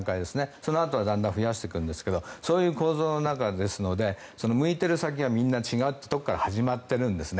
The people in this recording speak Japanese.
そのあとはだんだん増やしていくんですがそういう構造の中ですので向いている先がみんな違ったところから始まっているんですね。